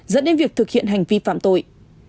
dẫn đến việc thực hiện hành vi phạm tội